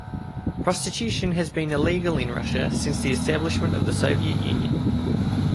Prostitution has been illegal in Russia since the establishment of the Soviet Union.